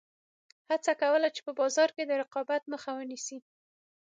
هڅه کوله چې په بازار کې د رقابت مخه ونیسي.